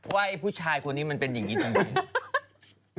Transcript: ไอ้ผู้ชายคนนี้มันเป็นอย่างนี้ทำไม